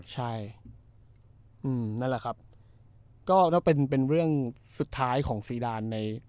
ใช่อืมนั่นแหละครับก็แล้วเป็นเป็นเรื่องสุดท้ายของซีดานใน